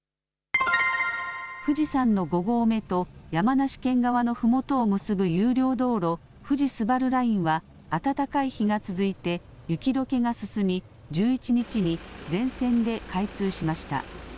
富士山の５合目と山梨県側のふもとを結ぶ有料道路、富士スバルラインは暖かい日が続いて雪どけが進み１１日に全線で開通しました。